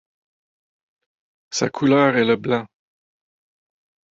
Sa couleur est le blanc.